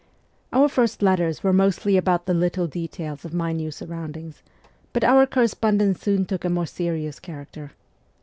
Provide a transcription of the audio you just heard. Our first lettirs were mostly about the little details of my new surroundings, but our correspondence soon took a more serious character.